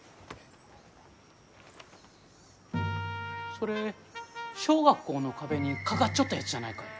それ小学校の壁に掛かっちょったやつじゃないかえ？